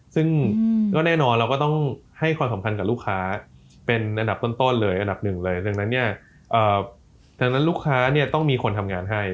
ซึ่งก็แน่นอนเราก็ต้องให้ความสำคัญกับลูกค้าเป็นอันดับต้นเลยอันดับหนึ่งเลยดังนั้นเนี่ยดังนั้นลูกค้าเนี่ยต้องมีคนทำงานให้